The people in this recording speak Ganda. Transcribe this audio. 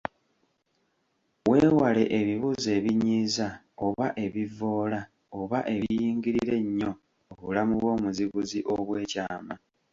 Weewale ebibuuzo ebinyiiza oba ebivvoola oba ebiyingirira ennyo obulamu bw’omuzibuzi obw’ekyama.